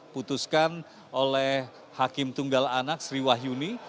putuskan oleh hakim tunggal anak sri wahyuni